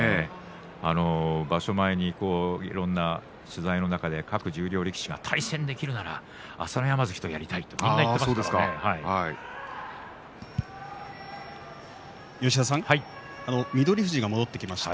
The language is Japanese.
場所前にいろんな取材の中で各十両力士が対戦できるなら朝乃山関とやりたいと翠富士が戻ってきました。